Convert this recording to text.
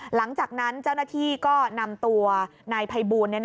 หลังจากนั้นเจ้าหน้าที่ก็นำตัวนายภัยบูล